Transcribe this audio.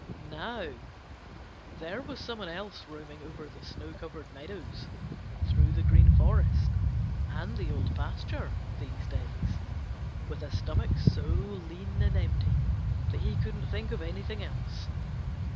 Now there was some one else roaming over the snow covered meadows and through the Green Forest and the Old Pasture these days with a stomach so lean and empty that he couldn't think of anything else.